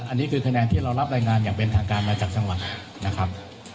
อันนี้คือคะแนนที่เรารับรายงานอย่างเป็นทางการมาจากจังหวัดนะครับ